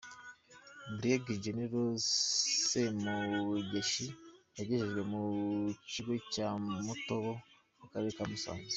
Brig Gen Semugeshi yagejejwe mu kigo cya Mutobo mu Karere ka Musanze.